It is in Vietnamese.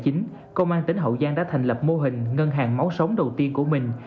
từ năm hai nghìn chín công an tỉnh hậu giang đã thành lập mô hình ngân hàng máu sống đầu tiên của mình